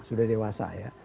sudah dewasa ya